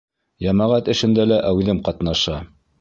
Йәмәғәт эшендә лә әүҙем ҡатнаша.